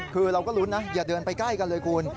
คือเราก็ลุ้นนะอย่าเดินไปใกล้กันเลยคุณ